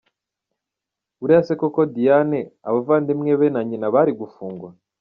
Buriya se koko Diane, abavandimwe be na Nyina bari gufungwa ?